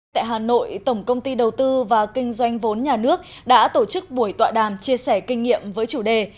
tại hà nội tổng công ty đầu tư và kinh doanh vốn nhà nước đã tổ chức buổi tọa đàm chia sẻ kinh nghiệm với chủ đề